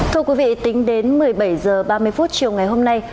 thưa quý vị tính đến một mươi bảy h ba mươi phút chiều ngày hôm nay